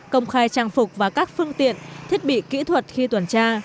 công khai trang phục và các phương tiện thiết bị kỹ thuật khi tuần tra